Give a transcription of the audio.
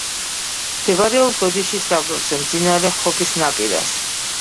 მდებარეობს ოდიშის დაბლობზე, მდინარე ხობის ნაპირას.